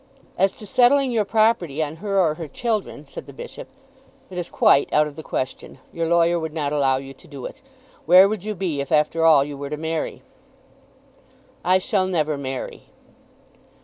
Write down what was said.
"As to settling your property on her or her children," said the Bishop, "it is quite out of the question. Your lawyer would not allow you to do it. Where would you be if after all you were to marry?" "I shall never marry."